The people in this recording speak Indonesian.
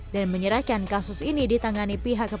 dan menyerahkan kasus ini ditangani pihak kepala